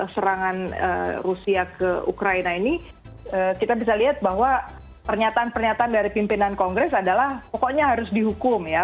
serangan rusia ke ukraina ini kita bisa lihat bahwa pernyataan pernyataan dari pimpinan kongres adalah pokoknya harus dihukum ya